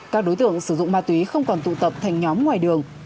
các đối tượng sử dụng ma túy không còn tụ tập thành nhóm ngoài đường